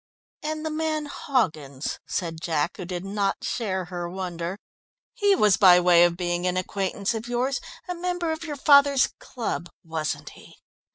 "And the man Hoggins," said Jack, who did not share her wonder. "He was by way of being an acquaintance of yours, a member of your father's club, wasn't he?"